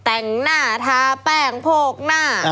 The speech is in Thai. แต่งหน้าทาแป้งโพกหน้า